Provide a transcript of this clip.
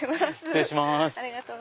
失礼します。